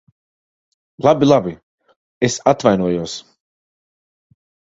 Labi, labi. Es atvainojos.